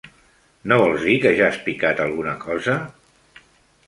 No vols dir que ja has picat alguna cosa?